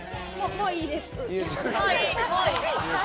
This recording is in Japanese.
もういいです。